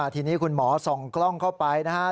ทีนี้คุณหมอส่องกล้องเข้าไปนะครับ